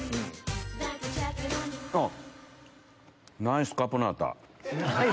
ナイスカポナータ！